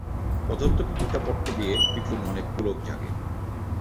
পদার্থবিদ্যা পড়তে গিয়ে পিকলুর মনে পুলক জাগে।